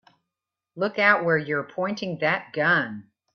Look out where you're pointing that gun!